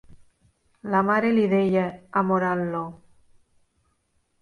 La mare li deia, amorant-lo,...